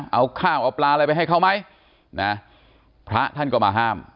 เอาข้าวเอาปลาอะไรไปให้เขาไหมนะพระท่านก็มาห้าม